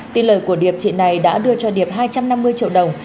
tin lời của điệp chị này đã đưa cho điệp hai trăm năm mươi triệu đồng